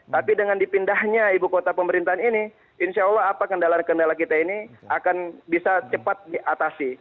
tapi dengan dipindahnya ibu kota pemerintahan ini insya allah apa kendala kendala kita ini akan bisa cepat diatasi